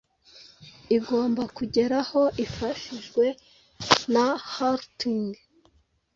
Igomba kugerahoifashijwe na Hrunting